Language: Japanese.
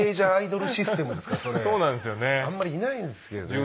あんまりいないんですけどね。